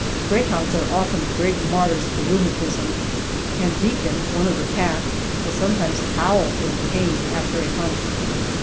Greyhounds are often great martyrs to rheumatism, and Deacon, one of the pack, will sometimes howl from pain after a hunt.